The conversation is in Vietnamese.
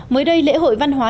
mới đây lễ hội văn hóa